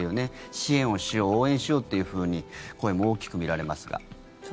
支援をしよう、応援しようと声も大きく見られますが。